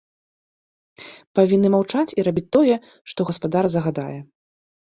Павінны маўчаць і рабіць тое, што гаспадар загадае.